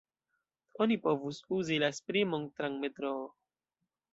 Oni povus uzi la esprimon tram-metroo.